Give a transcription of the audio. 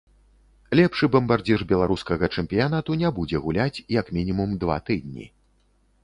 Лепшы бамбардзір беларускага чэмпіянату не будзе гуляць, як мінімум, два тыдні.